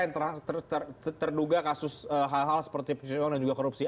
yang terduga kasus hal hal seperti pencucian uang dan juga korupsi